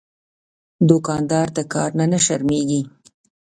دوکاندار د کار نه شرمېږي.